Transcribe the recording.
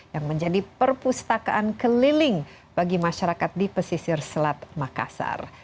yang menjadi perpustakaan keliling bagi masyarakat di pesisir selat makassar